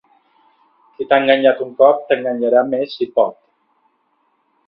Qui t'ha enganyat un cop, t'enganyarà més si pot.